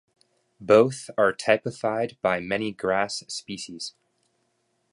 Both are typified by many grass species.